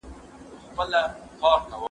لو مني، خداى نه مني.